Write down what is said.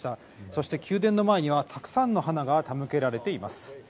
そして宮殿の前にはたくさんの花が手向けられています。